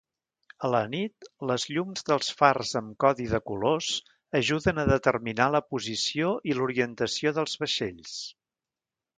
A la nit, les llums dels fars amb codi de colors ajuden a determinar la posició i l'orientació dels vaixells.